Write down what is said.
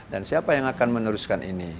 dan siapa yang akan meneruskan ini